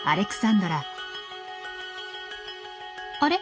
あれ？